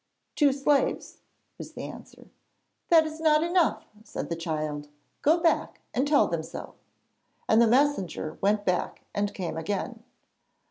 'Two slaves,' was the answer. 'That is not enough,' said the child; 'go back and tell them so.' And the messenger went back and came again.